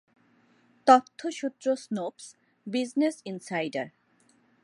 তথ্যসূত্র Snopes, business insider